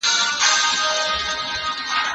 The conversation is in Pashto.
ډېره ډوډۍ ماڼۍ ته نه وړل کیږي.